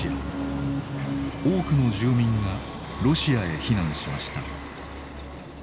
多くの住民がロシアへ避難しました。